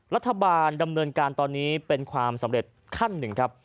รัฐบาลดำเนินการตอนนี้เป็นความสำเร็จขั้นหนึ่งครับ